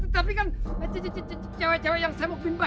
tapi kan cewek cewek yang semuk bimbah